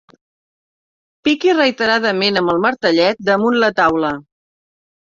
Piqui reiteradament amb el martellet damunt la taula.